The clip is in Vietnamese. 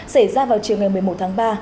xảy ra vào chiều ngày một mươi một tháng ba